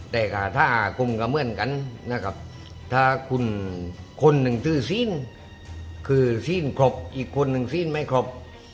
แต่ขาท่าอาคมก็เหมือนกันนะครับถ้าคนหนึ่งถือซีนคือซีนครบอีกคนหนึ่งซีนไม่ครบ